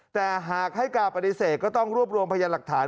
แต่หากให้การปฏิเสธก็ต้องรวบรวมพยานหลักฐาน